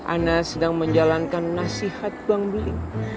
anak sedang menjalankan nasihat bang beling